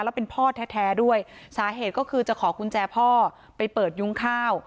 แล้วเป็นพ่อแท้ด้วยสาเหตุก็คือจะขอกุญแจพ่อไปเปิดยุ้งข้าว